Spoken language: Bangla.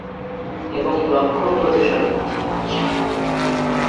এবং লক্ষণ বোঝে সঠিক চিকিৎসা।